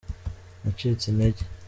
nacitse intege.